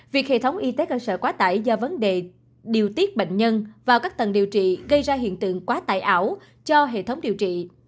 việc hệ thống y tế cơ sở quá tải do vấn đề điều tiết bệnh nhân vào các tầng điều trị gây ra hiện tượng quá tải ảo cho hệ thống điều trị